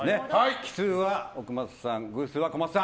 奇数は奥松さん、偶数は小松さん。